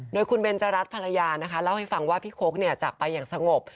โดยคุณเบนจรัสภรรยานะคะเล่าให้ฟังว่าพี่โค้กจากไปอย่างสงบ